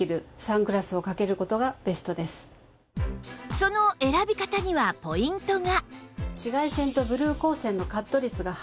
その選び方にはポイントが